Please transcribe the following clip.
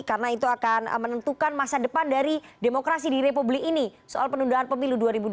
karena itu akan menentukan masa depan dari demokrasi di republik ini soal penundaan pemilu dua ribu dua puluh empat